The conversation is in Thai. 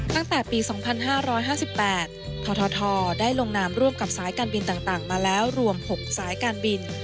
ตั้งแต่ปี๒๕๕๘ททได้ลงนามร่วมกับสายการบินต่างมาแล้วรวม๖สายการบิน